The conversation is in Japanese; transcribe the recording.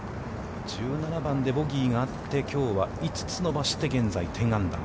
１７番でボギーがあって、きょうは５つ伸ばして、現在、１０アンダー。